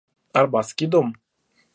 Арбатский дом.